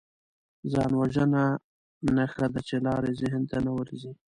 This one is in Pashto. ځانوژنه نښه ده چې لارې ذهن ته نه ورځي